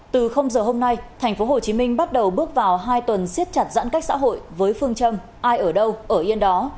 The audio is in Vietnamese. từ giờ hôm nay tp hcm bắt đầu bước vào hai tuần siết chặt giãn cách xã hội với phương châm ai ở đâu ở yên đó